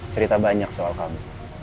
cerita banyak soal kamu